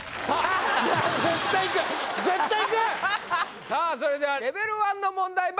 さあそれではレベル１の問題